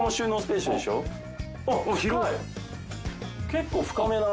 結構深めだな。